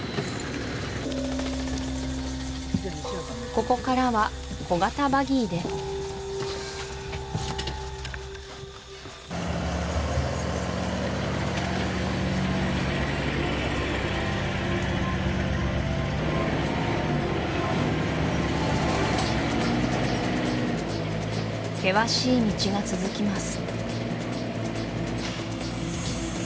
ここからは小型バギーで険しい道が続きます